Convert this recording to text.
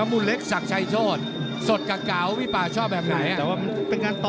พี่ปาชอบแบบไหนน่ะ